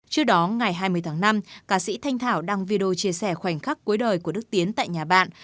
trước đó ngày hai mươi tháng năm ca sĩ thanh thảo đăng video chia sẻ khoảnh khắc cuối đời của đức tiến tại nhà bạn